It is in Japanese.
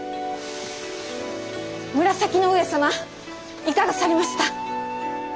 紫の上様いかがされました？